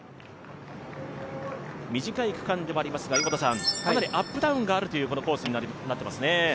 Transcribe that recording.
短い区間ではありますが、かなりアップダウンのあるコースになっていますね。